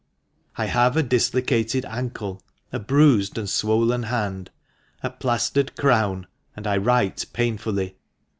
I have a dislocated ankle, a bruised and swollen hand, a plaistered crown, and I write painfully.